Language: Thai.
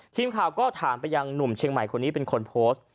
ทีมข่าวก็ถามไปยังหนุ่มเชียงใหม่คนนี้เป็นคนโพสต์